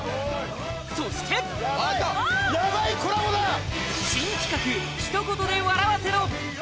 そして新企画一言で笑わせろ！